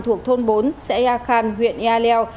thuộc thôn bốn xe ea khan huyện ea leo